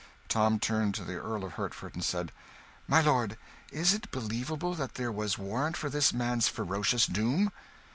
Tom turned to the Earl of Hertford, and said "My lord, is it believable that there was warrant for this man's ferocious doom?"